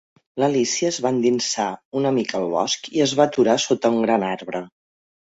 L'Alícia es va endinsar una mica al bosc i es va aturar sota un gran arbre.